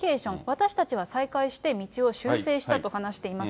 私たちは再会して道を修正したと話しています。